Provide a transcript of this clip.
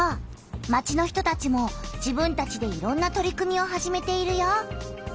町の人たちも自分たちでいろんな取り組みを始めているよ！